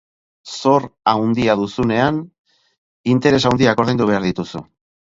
Zor handia duzunean, interes handiak ordaindu behar dituzu.